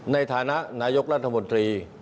ในฐานะนายกรัฐมนตรี